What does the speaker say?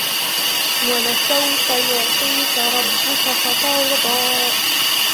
وَلَسَوفَ يُعطيكَ رَبُّكَ فَتَرضى